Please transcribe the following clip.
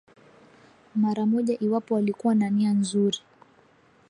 mara moja iwapo walikuwa na nia nzuri